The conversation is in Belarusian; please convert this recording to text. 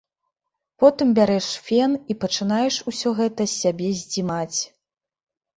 Потым бярэш фен і пачынаеш усё гэта з сябе здзімаць.